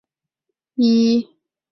巴斯学校大爆炸的爆炸事件。